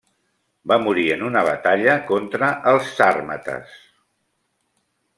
Va morir en una batalla contra els Sàrmates.